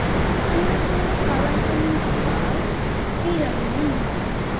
சிறு சிறு கலகங்களால் சீரழியும்.